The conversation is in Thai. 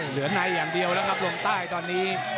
เหลือในอย่างเดียวแล้วครับลงใต้ตอนนี้